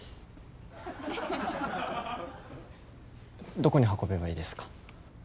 どこに運べばいいですか？